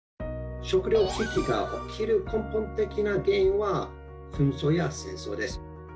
食糧危機が起きる根本的な原因は紛争や戦争です。